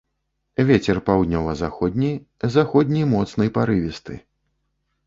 Вецер паўднёва-заходні, заходні моцны парывісты.